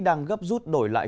đang gấp rút đổi lại